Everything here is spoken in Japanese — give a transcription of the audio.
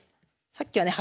さっきはね